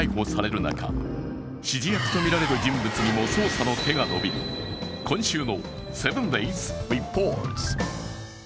中指示役とみられる人物にも捜査の手が伸びる今週の「７ｄａｙｓリポート」。